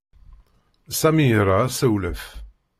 Sami ira assewlef.